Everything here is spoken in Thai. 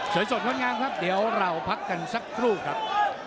เสริมสดพลังงานครับเดี๋ยวเราพักกันสักครู่ครับ